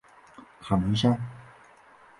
卡伦山。